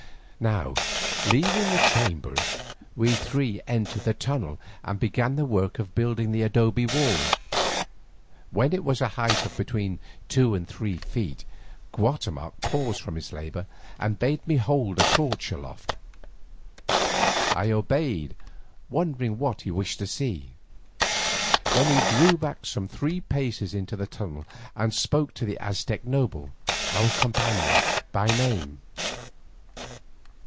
Now, leaving the chamber, we three entered the tunnel and began the work of building the adobe wall. When it was of a height of between two and three feet, Guatemoc paused from his labour and bade me hold a torch aloft. I obeyed wondering what he wished to see. Then he drew back some three paces into the tunnel and spoke to the Aztec noble, our companion, by name.